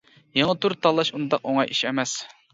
يېڭى تۈر تاللاش ئۇنداق ئوڭاي ئىش ئەمەس.